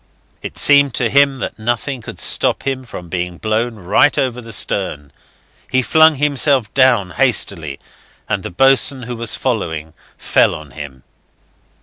It seemed to him that nothing could stop him from being blown right over the stern. He flung himself down hastily, and the boatswain, who was following, fell on him.